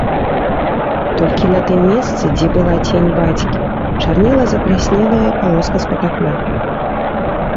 Толькі на тым месцы, дзе была цень бацькі, чарнела запляснелая палоска з-пад акна.